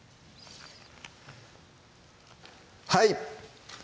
はい！